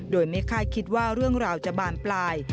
โดยไม่คาดคิดว่าเรื่องราวจะบานปลาย